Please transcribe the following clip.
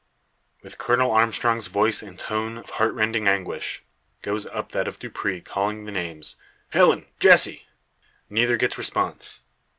With Colonel Armstrong's voice in tone of heartrending anguish, goes up that of Dupre calling the names "Helen! Jessie!" Neither gets response.